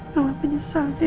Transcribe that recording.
mama menyesal nita